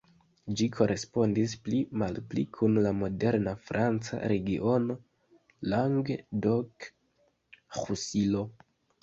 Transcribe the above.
Ĝi korespondis pli malpli kun la moderna franca regiono Languedoc-Roussillon.